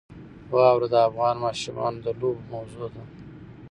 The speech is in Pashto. واوره د افغان ماشومانو د لوبو موضوع ده.